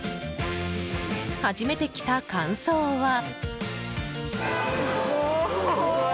初めて来た感想は？